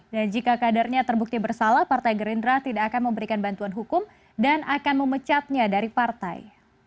dan jika kadarnya terbukti bersalah partai gerindra tidak akan memberikan bantuan hukum dan akan memecatnya dari partai